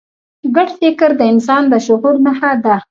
ګډ فکر د انسان د شعور نښه ده.